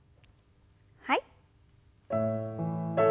はい。